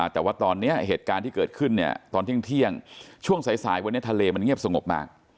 แต่ว่าตอนนี้เหตุการณ์ที่เกิดขึ้นเนี่ยตอนเที่ยงช่วงสายวันนี้ทะเลมันเงียบสงบมาก